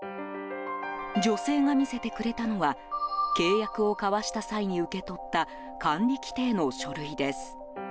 女性が見せてくれたのは契約を交わした際に受け取った管理規定の書類です。